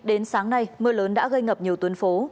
đến sáng nay mưa lớn đã gây ngập nhiều tuyến phố